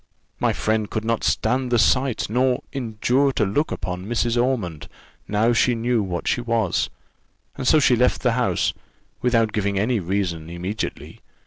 My friend could not stand the sight, nor endure to look upon Mrs. Ormond now she knew what she was; and so she left the house, without giving any reason, immediately.